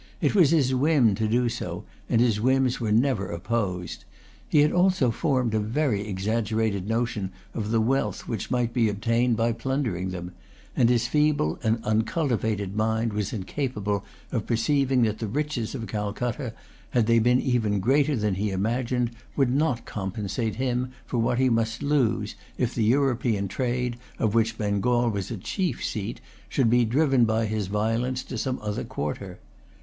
It was his whim to do so; and his whims were never opposed. He had also formed a very exaggerated notion of the wealth which might be obtained by plundering them; and his feeble and uncultivated mind was incapable of perceiving that the riches of Calcutta, had they been even greater than he imagined, would not compensate him for what he must lose, if the European trade, of which Bengal was a chief seat, should be driven by his violence to some other quarter.